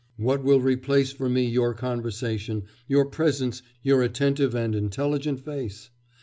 What will replace for me your conversation, your presence, your attentive and intelligent face?...